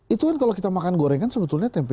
itu kan kalau kita makan goreng kan sebetulnya tempes